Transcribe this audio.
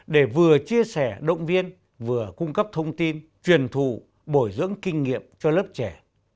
để vừa chia sẻ động viên vừa cung cấp thông tin truyền thù bồi dưỡng kinh nghiệm cho lớp trẻ